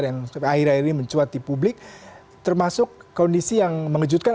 yang akhir akhir ini mencuat di publik termasuk kondisi yang mengejutkan